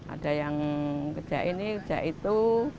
ada yang kejak ini kejak itu